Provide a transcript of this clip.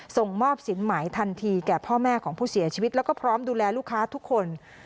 ส่งมอบสินหมายทันทีแก่พ่อแม่ของผู้เสียชีวิตแล้วก็พร้อมดูแลลูกค้าทุกคน